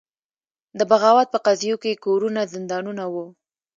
د بغاوت په قضیو کې کورونه زندانونه وو.